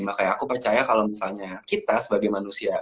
nah kayak aku percaya kalau misalnya kita sebagai manusia